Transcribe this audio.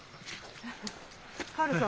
カールさん